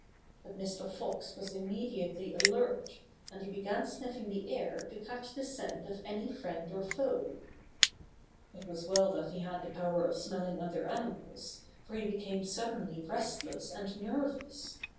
But Mr. Fox was immediately alert, and he began sniffing the air to catch the scent of any friend or foe. It was well that he had the power of smell ing other animals, for he became suddenly restless and nervous.